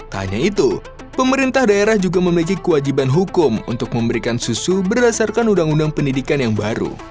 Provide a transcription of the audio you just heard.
tak hanya itu pemerintah daerah juga memiliki kewajiban hukum untuk memberikan susu berdasarkan undang undang pendidikan yang baru